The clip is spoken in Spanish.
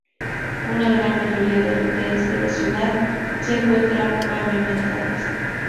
La gran mayoría de las calles de la ciudad se encuentran pavimentadas.